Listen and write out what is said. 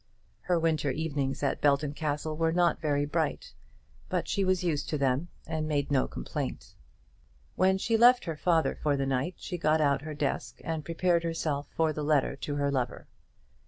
Her winter evenings at Belton Castle were not very bright, but she was used to them and made no complaint. When she left her father for the night she got out her desk and prepared herself for her letter to her lover.